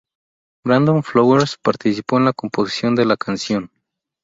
Brandon Flowers participó en la composición de la canción.